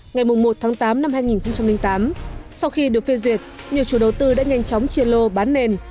ngày một tháng tám năm hai nghìn tám sau khi được phê duyệt nhiều chủ đầu tư đã nhanh chóng chia lô bán nền